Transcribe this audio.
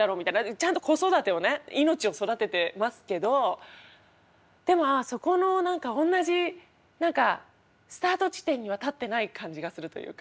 ちゃんと子育てをね命を育ててますけどでもそこのおんなじスタート地点には立ってない感じがするというか。